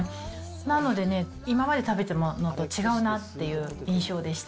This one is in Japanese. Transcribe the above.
なのでね、今まで食べたものと違うなっていう印象でした。